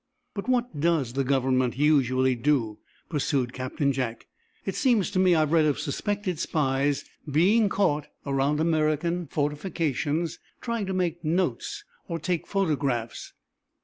"But what does the Government usually do?" pursued Captain Jack. "It seems to me I've read of suspected spies being caught around American fortifications, trying to make notes, or take photographs."